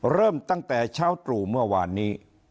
เริ่มตั้งแต่เช้าตรู่เมื่อวานนี้